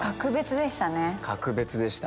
格別でした